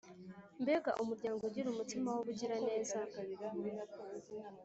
mbega umuryango ugira umutima wubugiraneza